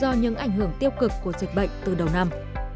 do những ảnh hưởng tiêu cực của dịch bệnh từ đầu năm